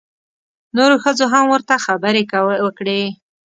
نورو ښځو هم ورته خبرې وکړې.